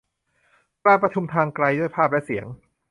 การประชุมทางไกลด้วยภาพและเสียง